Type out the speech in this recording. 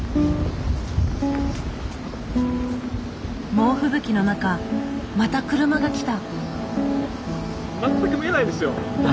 猛吹雪の中また車が来た。